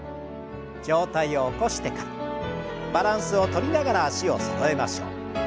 上体を起こしてからバランスをとりながら脚をそろえましょう。